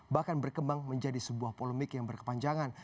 bahkan berkembang menjadi sebuah polemik yang berkepanjangan